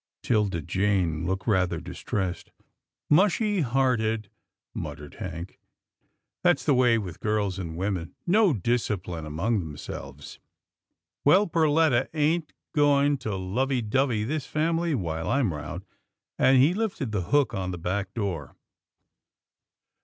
'Tilda Jane looked rather distressed. " Mushy hearted,", muttered Hank, "that's the way with girls and women. No discipline among themselves. Well, Perletta ain't going to lovey dovey this family, while I'm round," and he lifted the hook on the back door.